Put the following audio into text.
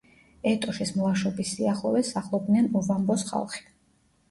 ეტოშის მლაშობის სიახლოვეს სახლობდნენ ოვამბოს ხალხი.